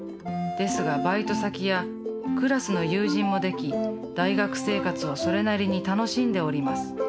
ですがバイト先やクラスの友人もでき大学生活をそれなりに楽しんでおります。